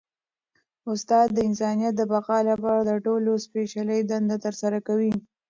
استاد د انسانیت د بقا لپاره تر ټولو سپيڅلي دنده ترسره کوي.